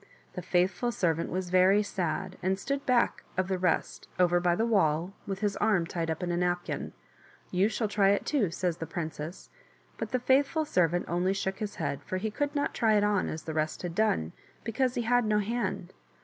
The faithful servant was very sad, and stood back of the rest, over by the wall, with his arm tied up in a napkin, "You shall try it too," says the princess; but the faithful servant only shook his head, for he could not try it on as the rest had done, because he had no hand.